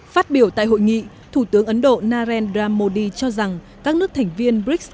phát biểu tại hội nghị thủ tướng ấn độ narendra modi cho rằng các nước thành viên brics